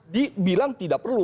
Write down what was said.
dibilang tidak perlu